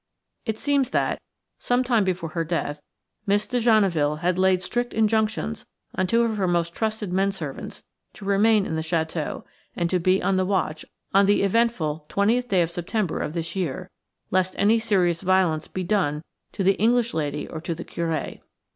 It seems that, some time before her death, Miss de Genneville had laid strict injunctions on two of her most trusted men servants to remain in the château, and to be on the watch on the eventful 20th day of September of this year, lest any serious violence be done to the English lady or to the Curé.